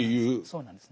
そうなんです。